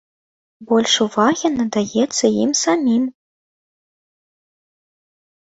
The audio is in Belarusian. Больш увагі надаецца ім самім.